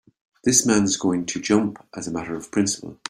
This man's going to jump as a matter of principle.